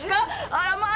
あらまあ